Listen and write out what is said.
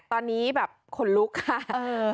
ตอนนี้แบบขนลุกค่ะ